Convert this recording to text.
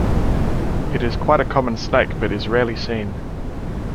It is quite a common snake but is rarely seen.